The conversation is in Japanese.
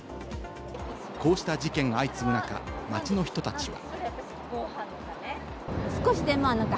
こうした事件が相次ぐ中、街の人たちは。